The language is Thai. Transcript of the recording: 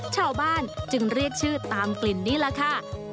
ชาวบ้านจึงเรียกชื่อตามกลิ่นนี่แหละค่ะ